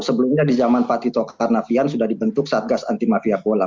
sebelumnya di zaman pak tito karnavian sudah dibentuk satgas anti mafia bola